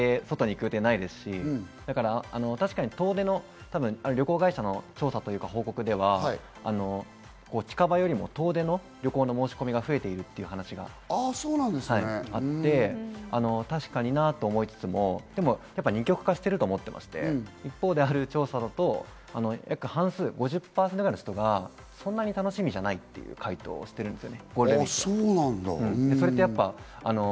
確かに遠出の旅行会社の調査というか、報告では近場よりも遠出の旅行の申し込みが増えているという話があって、確かになぁと思いつつも二極化していると思っていまして、一方である調査だと過半数、５０％くらいの人がそんなに楽しみじゃないっていう解答をしているんです。